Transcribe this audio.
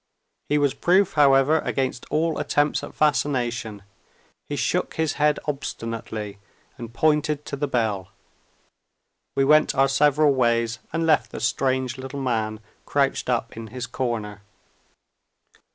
He was proof, however, against all attempts at fascination he shook his head obstinately, and pointed to the bell. We went our several ways, and left the strange little man crouched up in his corner.